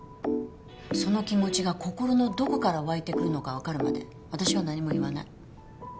その気持ちが心のどこから湧いてくるのかわかるまで私は何も言わない。